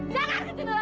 jangan ketemu lagi